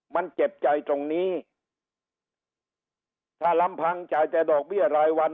มันเจ็บใจตรงนี้ถ้าลำพังจ่ายแต่ดอกเบี้ยรายวัน